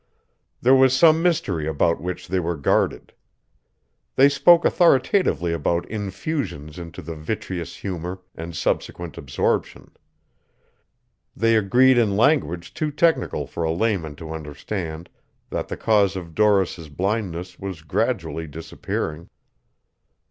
There was some mystery about which they were guarded. They spoke authoritatively about infusions into the vitreous humor and subsequent absorption. They agreed in language too technical for a layman to understand that the cause of Doris' blindness was gradually disappearing.